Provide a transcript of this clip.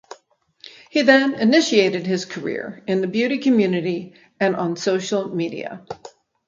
He then initiated his career in the beauty community and on social media.